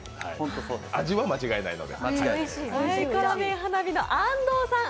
味は間違いないので。